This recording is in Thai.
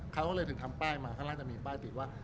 เขาก็เลยถึงทำป้ายมาข้างล่างจะมีป้ายติดว่า